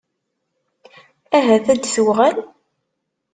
Ahat ad d-tuɣal?